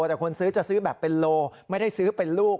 แต่คนซื้อจะซื้อแบบเป็นโลไม่ได้ซื้อเป็นลูก